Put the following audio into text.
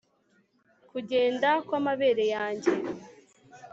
Kugenda kwamabere yanjye